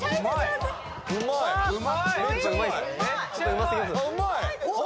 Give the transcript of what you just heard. うますぎます